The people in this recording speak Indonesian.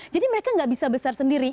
jadi mereka gak bisa besar sendiri